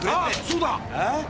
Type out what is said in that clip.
そうだ！え？